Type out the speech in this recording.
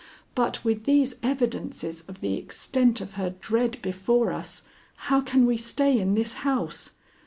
But with these evidences of the extent of her dread before us, how can we stay in this house?"